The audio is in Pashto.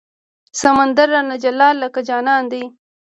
سمندر رانه جلا لکه جانان دی